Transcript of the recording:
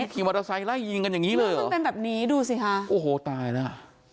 ขี่มอเตอร์ไซค์ไล่ยิงกันอย่างนี้เลยมันเป็นแบบนี้ดูสิคะโอ้โหตายแล้วอ่ะ